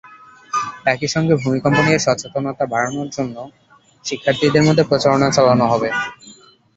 একই সঙ্গে ভূমিকম্প নিয়ে সচেতনতা বাড়ানোর জন্য শিক্ষার্থীদের মধ্যে প্রচারণা চালানো হবে।